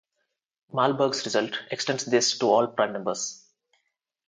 Mahlburg's result extends this to all prime numbers.